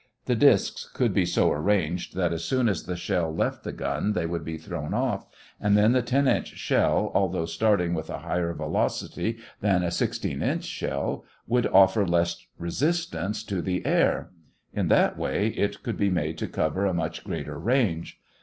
The disks could be so arranged that as soon as the shell left the gun they would be thrown off, and then the 10 inch shell, although starting with a higher velocity than a 16 inch shell, would offer less resistance to the air. In that way it could be made to cover a much greater range.